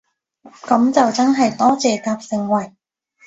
噉就真係多謝夾盛惠